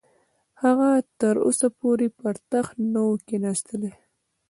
هغه تر اوسه پورې پر تخت نه وو کښېنستلی.